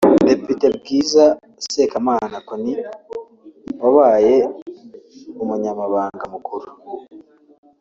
Depite Bwiza Sekamana Connie wabaye umunyamabanga mukuru